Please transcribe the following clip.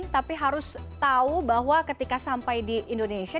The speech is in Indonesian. tapi harus tahu bahwa ketika sampai di indonesia